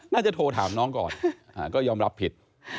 น่าจะโทรถามน้องก่อนก็ยอมรับผิด